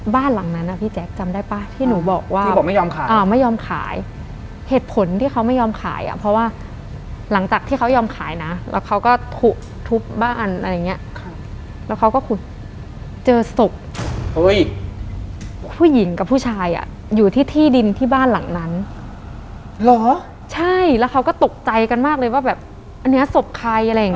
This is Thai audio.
บ้านหลังนั่นน่ะพี่แจ็คจำได้ป้ะที่หนูบอกว่า